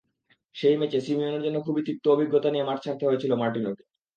সেই ম্যাচে সিমিওনের জন্য খুবই তিক্ত অভিজ্ঞতা নিয়ে মাঠ ছাড়তে হয়েছিল মার্টিনোকে।